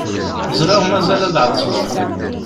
Ẓriɣ mazal ad ɛettbeɣ.